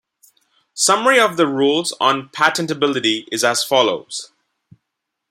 Summary of the rules on patentability is as follows.